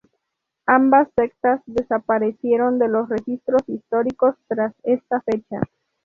Ambas sectas desaparecieron de los registros históricos tras esta fecha.